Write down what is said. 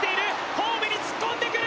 ホームに突っ込んでくる！